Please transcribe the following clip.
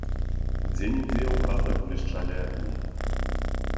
Дзе-нідзе ў хатах блішчалі агні.